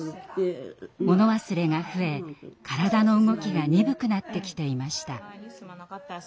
物忘れが増え体の動きが鈍くなってきていました。